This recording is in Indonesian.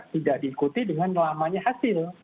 tidak diikuti dengan lamanya hasil